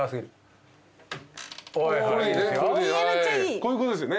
こういうことですよね？